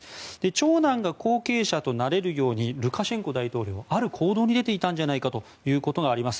長男が後継者となれるようにルカシェンコ大統領ある行動に出ていたんじゃないかということがあります。